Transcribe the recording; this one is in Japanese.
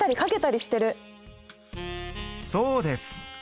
そうです。